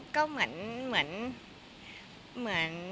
ก็เหมือน